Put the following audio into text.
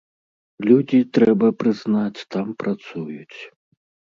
Людзі, трэба, прызнаць, там працуюць.